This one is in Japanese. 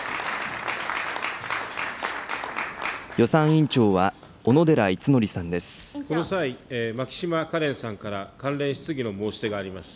予算委員長は、この際、牧島かれんさんから関連質疑の申し出があります。